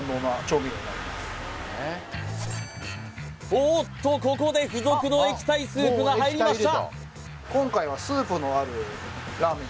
おっとここで付属の液体スープが入りました